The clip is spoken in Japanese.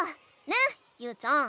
ねゆうちゃん。